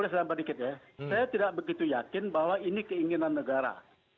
saya tidak begitu yakin bahwa ini keinginan negara